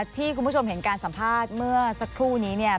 ที่คุณผู้ชมเห็นการสัมภาษณ์เมื่อสักครู่นี้เนี่ย